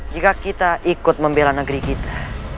jika kita ikut membela negeri kita